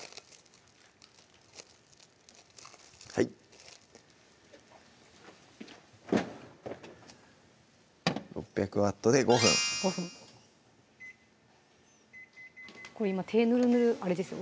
はい６００Ｗで５分これ今手ヌルヌルあれですよ